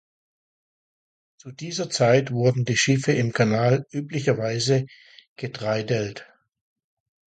Zu dieser Zeit wurden die Schiffe im Kanal üblicherweise getreidelt.